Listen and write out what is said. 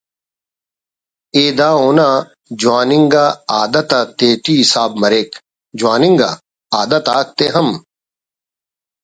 ءِ دا اونا جوان انگا عادت آتیٹی حساب مریک (جوان انگا عادت آک تے ہم